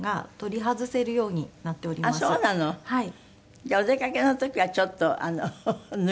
じゃあお出かけの時はちょっと脱いで。